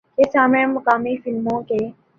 کے سامنے مقامی فلموں کے